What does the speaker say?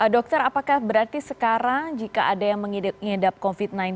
dokter apakah berarti sekarang jika ada yang mengidap ngidap covid sembilan belas